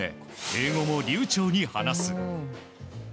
英語も流ちょうに話す。